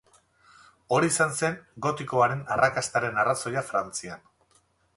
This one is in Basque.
Hori izan zen gotikoaren arrakastaren arrazoia Frantzian.